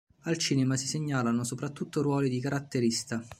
Al cinema si segnalano soprattutto ruoli di caratterista.